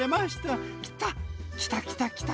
きた！